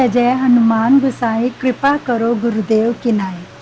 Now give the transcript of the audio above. เย้ฮนุมาศกุศัศนกุพากรุธเด็วกินัย